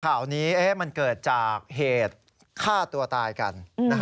ข่าวนี้มันเกิดจากเหตุฆ่าตัวตายกัน